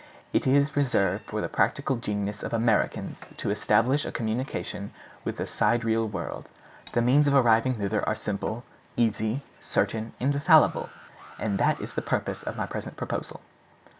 It is reserved for the practical genius of Americans to establish a communication with the sidereal world. The means of arriving thither are simple, easy, certain, infallible—and that is the purpose of my present proposal."